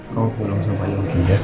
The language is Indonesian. kamu pulang sama ibu aja ya